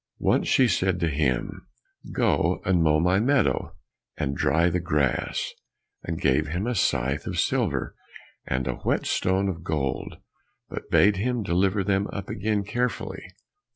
Once she said to him, "Go and mow my meadow, and dry the grass," and gave him a scythe of silver, and a whetstone of gold, but bade him deliver them up again carefully.